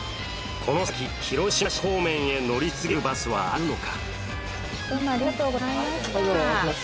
この先広島市方面へ乗り継げるバスはあるのか？